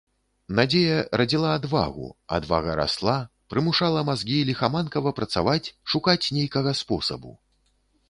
Надзея радзіла адвагу, адвага расла, прымушала мазгі ліхаманкава працаваць, шукаць нейкага спосабу.